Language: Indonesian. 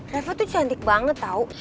revo tuh cantik banget tau